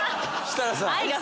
設楽さん。